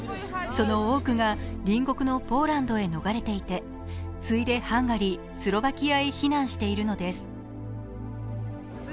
その多くが隣国のポーランドに逃れていて次いでハンガリー、スロバキアへ避難しているのです。